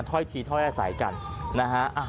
ถ้อยทีถ้อยอาศัยกันนะฮะ